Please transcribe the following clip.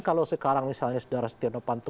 kalau sekarang misalnya sudara steno panto